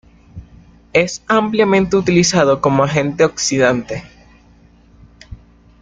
Es ampliamente utilizado como agente oxidante.